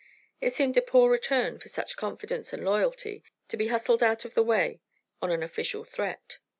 It seemed a poor return for such confidence and loyalty to be hustled out of the way on an official threat.